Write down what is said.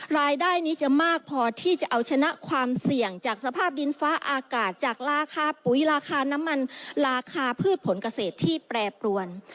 รายได้นี้จะมากพอที่จะเอาชนะความเสี่ยงจากสภาพดินฟ้าอากาศจากราคาปุ๋ยราคาน้ำมันราคาพืชผลเกษตรที่แปรปรวน